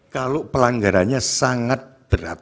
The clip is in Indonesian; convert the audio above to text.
kalau pelanggarannya sangat berat